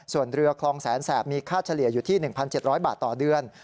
ส่วนเรือคลองแสนแสบมีค่าเฉลี่ยอยู่ที่๑๗๐๐บาทต่อเดือน